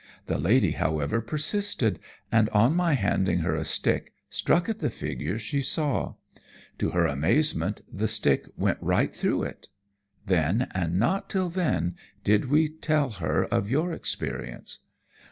The lady, however, persisted, and, on my handing her a stick, struck at the figure she saw. To her amazement the stick went right through it. Then, and not till then, did we tell her of your experience.